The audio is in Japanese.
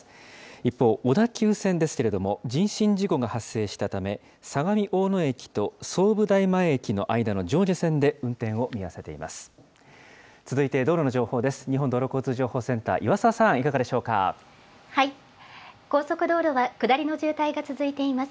一方、小田急線ですけれども、人身事故が発生したため、相模大野駅と相武台前駅の間の上下線で運転を見合わせています。